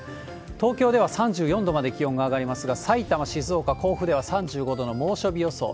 東京では３４度まで気温が上がりますが、埼玉、静岡、甲府では３５度の猛暑日予想。